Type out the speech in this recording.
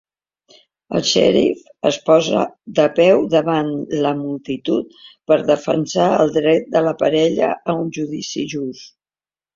El xèrif es posa de peu davant la multitud per defensar el dret de la parella a un judici just.